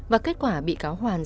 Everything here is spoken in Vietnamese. và kết quả bị cáo hoàn